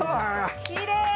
きれい。